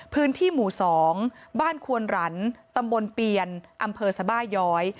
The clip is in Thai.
พื้นที่หมู่๒บ้านควนหลันตำบลเปียนอำเภอสบาย้อย